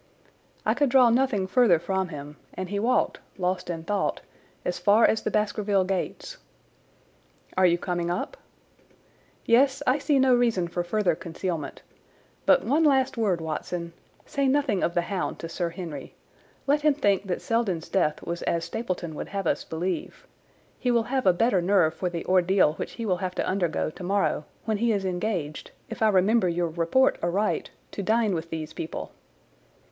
I could draw nothing further from him, and he walked, lost in thought, as far as the Baskerville gates. "Are you coming up?" "Yes; I see no reason for further concealment. But one last word, Watson. Say nothing of the hound to Sir Henry. Let him think that Selden's death was as Stapleton would have us believe. He will have a better nerve for the ordeal which he will have to undergo tomorrow, when he is engaged, if I remember your report aright, to dine with these people."